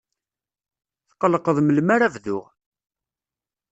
Tqellqeɣ melmi ara bduɣ.